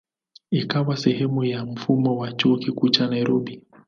Ikawa sehemu ya mfumo wa Chuo Kikuu cha Nairobi.